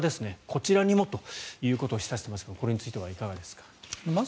こちらにもということを示唆していますがこれについてはいかがでしょうか。